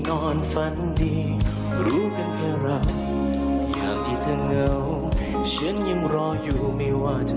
โอ้โฮคุณผู้ชมนี่